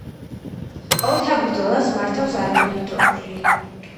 ორთაბრძოლას მართავს არბიტრი.